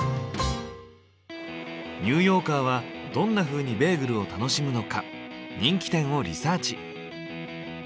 ニューヨーカーはどんなふうにベーグルを楽しむのか人気店をリサーチ。